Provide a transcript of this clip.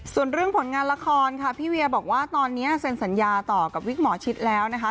ส่วนเรื่องผลงานละครค่ะพี่เวียบอกว่าตอนนี้เซ็นสัญญาต่อกับวิกหมอชิดแล้วนะคะ